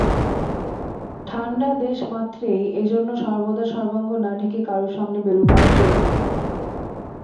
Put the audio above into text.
ঠাণ্ডা দেশমাত্রেই এজন্য সর্বদা সর্বাঙ্গ না ঢেকে কারু সামনে বেরুবার যো নেই।